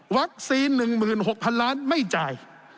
วัคซีน๑๖๐๐๐ล้านไม่จ่าย